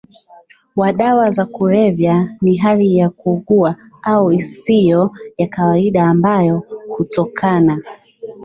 wa dawa za kulevya ni hali ya kuugua au isiyo ya kawaida ambayo hutokana